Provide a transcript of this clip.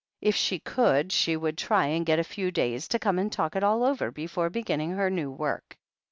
If she could, she would try and get a few days, to come and talk it all over before beginning her new work.